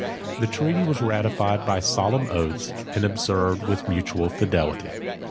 The treaty was ratified by solemn oaths, and observed with mutual fidelity.